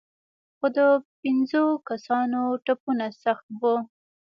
خو د پنځو کسانو ټپونه سخت وو.